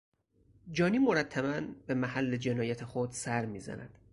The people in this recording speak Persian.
جانی مرتبا به محل جنایت خود سر میزد.